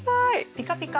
ピカピカ！